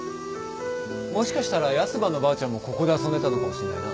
もしかしたらヤスばのばあちゃんもここで遊んでたのかもしんないな。